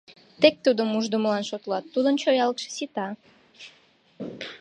Тек тудым ушдымылан шотлат, тудын чоялыкше сита!